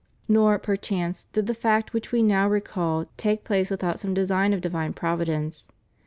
Nor, perchance, did the fact which We now recall take place without some design of divine Providence.